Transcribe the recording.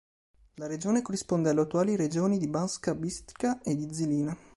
La regione corrisponde alle attuali regioni di Banská Bystrica e di Žilina.